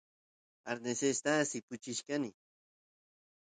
arnesesta sipuchichkani